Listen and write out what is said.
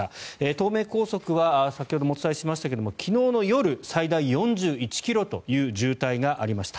東名高速は先ほどもお伝えしましたが昨日の夜、最大４１ｋｍという渋滞がありました。